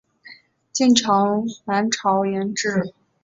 晋朝南朝沿置。